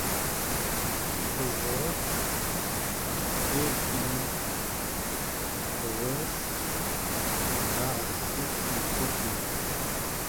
Txezred ya iggen wass aɛessas n Tokyo?